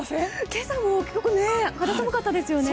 今朝も肌寒かったですね。